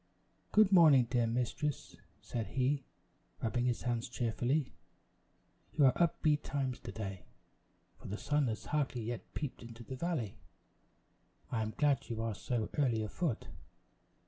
"Good morning, dear mistress," said he, rubbing his hands cheerfully; "you are up betimes to day, for the sun has hardly yet peeped into the valley. I am glad you are so early afoot.